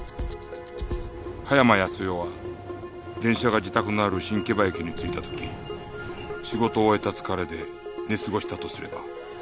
葉山康代は電車が自宅のある新木場駅に着いた時仕事を終えた疲れで寝過ごしたとすれば